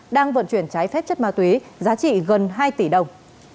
đang vận chuyển trái phép chất ma túy giá trị gần hai tỷ đồng